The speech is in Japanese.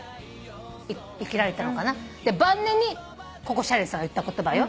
晩年にココ・シャネルさんが言った言葉よ。